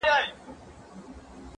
زه کولای شم منډه ووهم!.